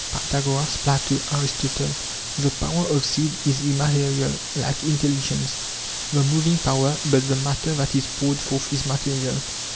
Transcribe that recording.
Pythagoras, Plato, Aristotle: The power of seed is immaterial, like intelligence, the moving power ; but the matter that is poured forth is material.